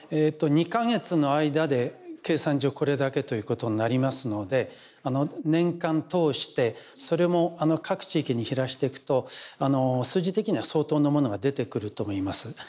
２か月の間で計算上これだけということになりますので年間通してそれも各地域に減らしていくと数字的には相当のものが出てくると思います。